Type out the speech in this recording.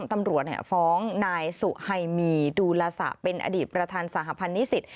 ตำรวจฟ้องนายสุไฮมีดูลสะเป็นอดีตประธานสหพันธ์นิสิต